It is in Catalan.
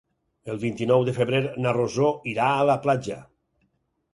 El vint-i-nou de febrer na Rosó irà a la platja.